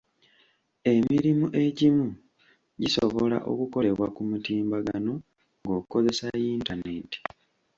Emirimu egimu gisobola okukolebwa ku mutimbagano ng'okozesa yintaneeti.